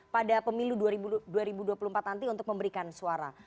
pada pemilu dua ribu dua puluh empat nanti untuk memberikan suara